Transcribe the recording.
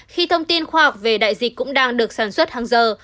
khi thông tin khoa học về đại dịch cũng đang được sản xuất hàng giờ